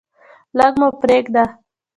لږ مو پریږده.